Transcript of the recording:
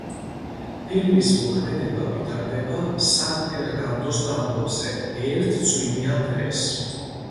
ფილმის მოქმედება ვითარდება სან-ფერნანდოს დაბლობზე, ერთ წვიმიან დღეს.